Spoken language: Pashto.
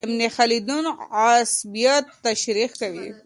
ابن خلدون عصبيت تشريح کوي.